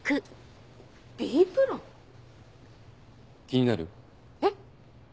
気になる？えっ？